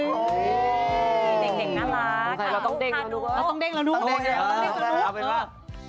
เราต้องเด้งแล้วดู